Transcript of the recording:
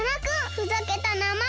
ふざけたなまえ！